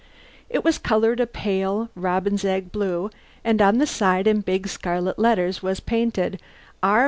It was coloured a pale, robin's egg blue, and on the side, in big scarlet letters, was painted: R.